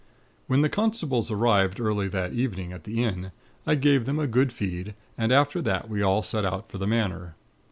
"When the constables arrived early that evening at the inn, I gave them a good feed; and after that we all set out for the Manor.